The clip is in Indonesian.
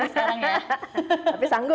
saya disarang ya